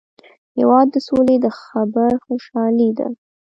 هېواد د سولي د خبر خوشالي ده.